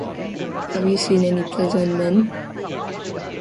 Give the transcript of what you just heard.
Have you seen any pleasant men?